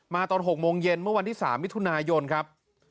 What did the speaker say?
ตอน๖โมงเย็นเมื่อวันที่๓มิถุนายนครับ